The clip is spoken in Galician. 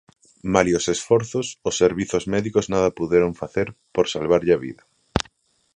Malia os esforzos, os servizos médicos nada puideron facer por salvarlle a vida.